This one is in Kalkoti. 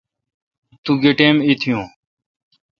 تو گہ ٹیم اؘ ایتیون۔